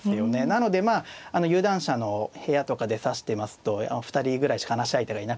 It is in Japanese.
なのでまあ有段者の部屋とかで指してますと２人ぐらいしか話し相手がいなくて。